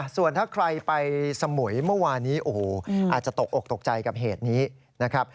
ส่วนถ้าใครไปสมุยเมื่อวานนี้โอ้โหอาจจะตกอกตกใจกับเหตุนี้นะครับ